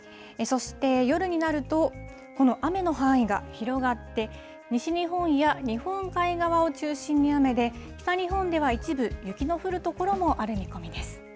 そして夜になると、この雨の範囲が広がって、西日本や日本海側を中心に雨で、北日本では一部、雪の降る所もある見込みです。